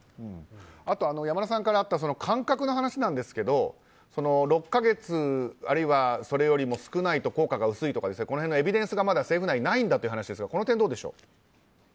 あと、山田さんからあった間隔の話なんですけど６か月あるいはそれよりも少ないと効果が薄いとかこの辺のエビデンスがまだ政府内にないという話ですがこの点、どうでしょう。